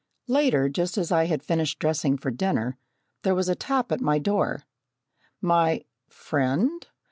Later, just as I had finished dressing for dinner, there was a tap at my door. My friend